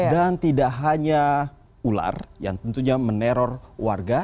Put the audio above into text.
dan tidak hanya ular yang tentunya meneror warga